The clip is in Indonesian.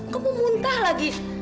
kamu muntah lagi